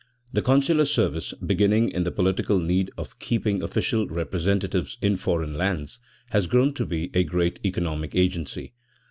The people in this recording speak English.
The consular service, beginning in the political need of keeping official representatives in foreign lands, has grown to be a great economic agency.